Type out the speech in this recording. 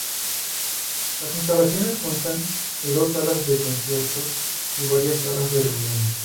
Las instalaciones constan de dos salas de conciertos y varias salas de reuniones.